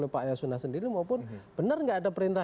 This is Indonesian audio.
pak yasunah sendiri maupun benar gak ada perintah